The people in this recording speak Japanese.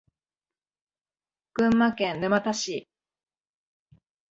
群馬県沼田市